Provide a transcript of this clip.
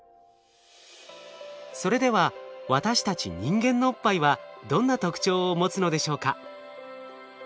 それでは私たち人間のおっぱいはどんな特徴を持つのでしょうか？